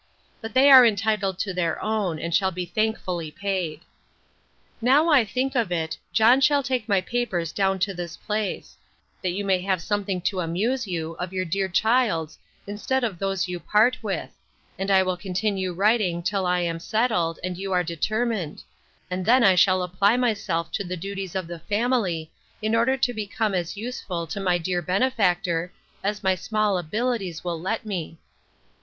—But they are entitled to their own, and shall be thankfully paid. Now I think of it, John shall take my papers down to this place; that you may have something to amuse you, of your dear child's, instead of those you part with; and I will continue writing till I am settled, and you are determined; and then I shall apply myself to the duties of the family, in order to become as useful to my dear benefactor, as my small abilities will let me.